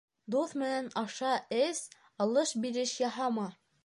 Дуҫ менән аша, эс, алыш-биреш яһама.